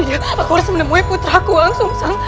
aku harus menemui putraku walang sungsang